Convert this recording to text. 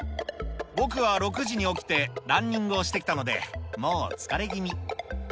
僕は６時に起きて、ランニングをしてきたので、もう疲れ気味。